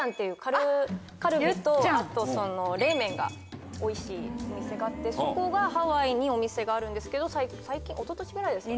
カルビと冷麺がおいしいお店があってそこがハワイにお店があるんですけど一昨年ぐらいですかね？